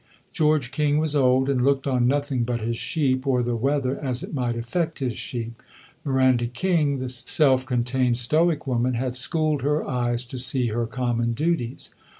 George King was old and looked on nothing but his sheep, or the weather as it might affect his sheep. Miranda King, the self contained, stoic woman, had schooled her eyes to see her common duties.